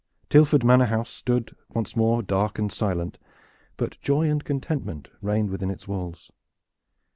Tilford Manor house stood once more dark and silent, but joy and contentment reigned within its walls.